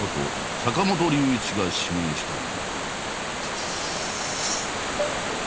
坂本龍一が指名したのは。